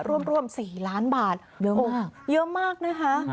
ร่วม๔ล้านบาทเยอะมากนะคะ